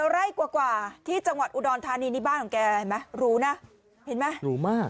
๔ไร่กว่าที่จังหวัดอุดรธานีนี่บ้านของแกรู้ไหมรู้นะ